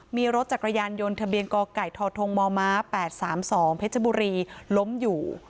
มีรถจักรยานยนต์ทะเบียนกไก่ทธมม๘๓๒เพชรบุรีล้มอยู่